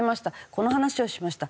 「この話をしました」